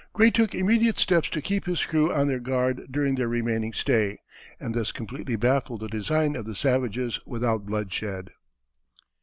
Gray took immediate steps to keep his crew on their guard during their remaining stay, and thus completely baffled the design of the savages without bloodshed.